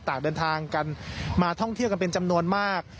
ต่างเดินทางกันมาท่องเที่ยวกันเป็นจำนวนมาก